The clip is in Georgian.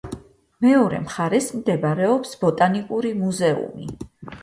მეორე მხარეს მდებარეობს ბოტანიკური მუზეუმი.